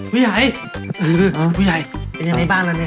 ผู้ใหญ่ค่ะผู้ใหญ่เป็นยังไงบ้างกันอ่ะนี่